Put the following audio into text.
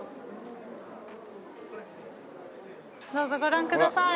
どうぞご覧ください。